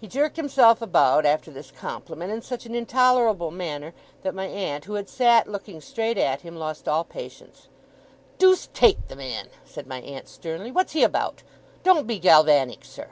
He jerked himself about, after this compliment, in such an intolerable manner, that my aunt, who had sat looking straight at him, lost all patience. 'Deuce take the man!' said my aunt, sternly, 'what's he about? Don't be galvanic, sir!